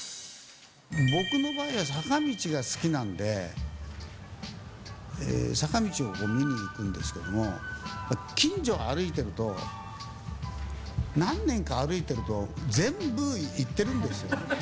僕の場合は、坂道が好きなんで、坂道を見に行くんですけども、近所を歩いてると、何年か歩いてると、全部行ってるんですよ。